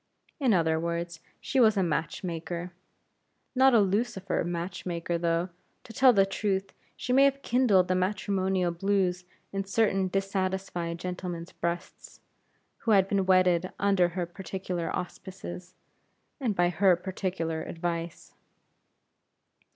In other words, she was a match maker not a Lucifer match maker though, to tell the truth, she may have kindled the matrimonial blues in certain dissatisfied gentlemen's breasts, who had been wedded under her particular auspices, and by her particular advice.